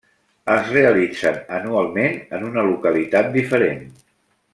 Es realitzen anualment en una localitat diferent.